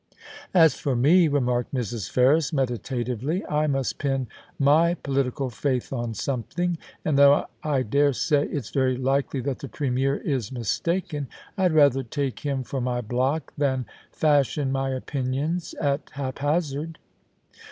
* As for me,' remarked Mrs. Ferris, meditatively, * I must pin my political faith on something ; and though I dare say it's very likely that the Premier is mistaken, I'd rather take him for my block than fashion my opinions at haphazard.'